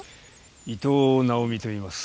伊藤直巳と言います。